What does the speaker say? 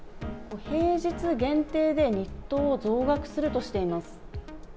平日限定で日当を増額するとしています。